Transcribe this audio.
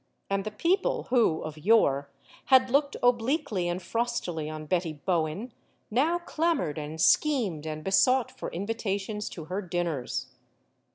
And the people who, of yore, had looked obliquely and frostily on Betty Bowen, now clamored and schemed and besought for invitations to her dinners.